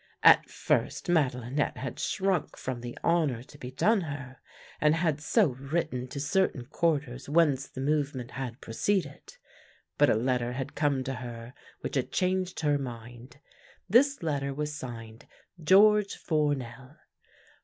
At first Madelinette had shrunk from the honour to be done her, and had so written to certain quarters whence the movement had proceeded, but a letter had come to her which had changed her mind. This letter was signed George Fournel.